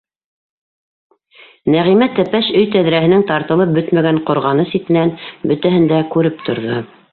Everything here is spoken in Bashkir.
Нәғимә тәпәш өй тәҙрәһенең тартылып бөтмәгән ҡорғаны ситенән бөтәһен дә күреп торҙо.